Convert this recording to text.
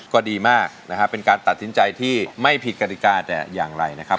ก็ดีมากนะครับเป็นการตัดสินใจที่ไม่ผิดกฎิกาแต่อย่างไรนะครับ